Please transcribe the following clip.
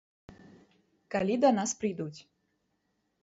Калі да нас прыйдуць.